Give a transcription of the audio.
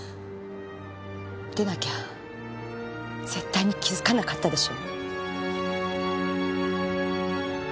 でなきゃ絶対に気づかなかったでしょ？